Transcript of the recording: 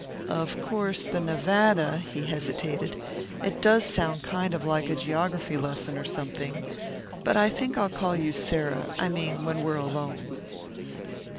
"Of course the Nevada " he hesitated. "It does sound kind of like a geography lesson or something. But I think I'll call you Sarah, I mean when we're alone."